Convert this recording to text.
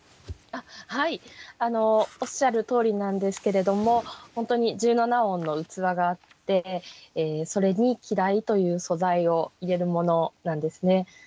はいおっしゃるとおりなんですけれども本当に十七音の器があってそれに季題という素材を入れるものなんですね。